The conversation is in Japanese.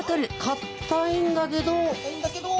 かたいんだけど。